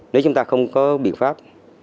nếu chúng ta không có biện pháp